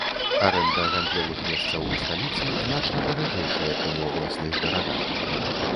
Арэнда гандлёвых месцаў у сталіцы значна даражэйшая, чым у абласных гарадах.